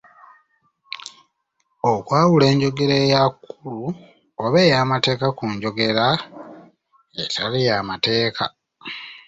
Okwawula enjogera ey'akulu oba ey'amateeka ku njogera etali ya mateeka